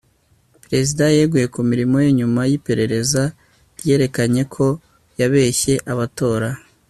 Perezida yeguye ku mirimo ye nyuma yiperereza ryerekanye ko yabeshye abatora